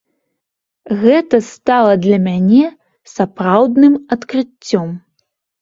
Гэта стала для мяне сапраўдным адкрыццём.